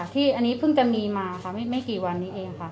ที่อันนี้เพิ่งจะมีมาค่ะไม่กี่วันนี้เองค่ะ